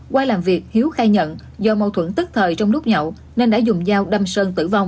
qua làm việc hiếu khai nhận do mâu thuẫn tức thời trong lúc nhậu nên đã dùng dao đâm sơn tử vong